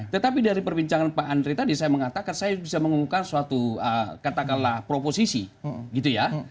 tetapi dari perbincangan pak andri tadi saya mengatakan saya bisa mengumumkan suatu katakanlah proposisi gitu ya